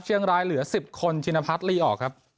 เชียงรายเหลือสิบคนชินพัดลีออกครับ